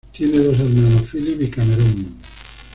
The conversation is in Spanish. Tiene dos hermanos, Phillip y Cameron.